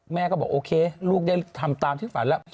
แม่ก็บอกโอเคลูกได้ทำตามที่ฝันแล้ว